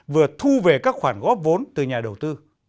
vừa thu về các khoản góp vốn từ nhà đầu tư